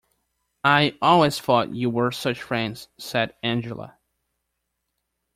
"I always thought you were such friends," said Angela.